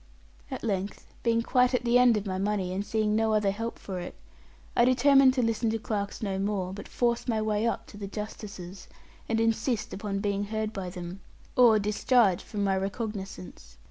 At length, being quite at the end of my money, and seeing no other help for it, I determined to listen to clerks no more, but force my way up to the Justices, and insist upon being heard by them, or discharged from my recognisance.